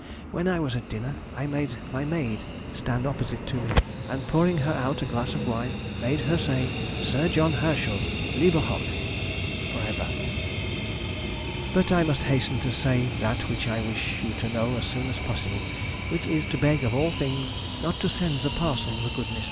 When I was at dinner, I made my maid stand opposite to me, and pouring her out a glass of wine, made her say, Sir John Herschel, lebe hoch! (for ever). But I must hasten to say that which I wish you to know as soon as possible, which is, to beg of all things not to send the parcel the good Miss B.